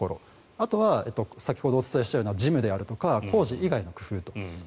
あとは先ほどお伝えしたような事務であるとか工事以外の工夫。